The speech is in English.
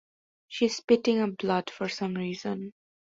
She's spitting up blood, for some reason.